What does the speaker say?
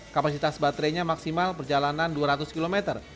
kapasitas baterainya maksimal perjalanan dua ratus km